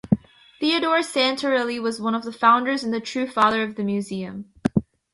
Theodore Santarelli was one of the founders and the true father of the museum.